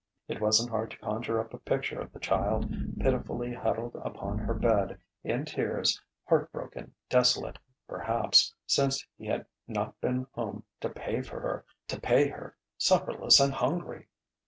It wasn't hard to conjure up a picture of the child, pitifully huddled upon her bed, in tears, heart broken, desolate, perhaps (since he had not been home to pay her) supperless and hungry!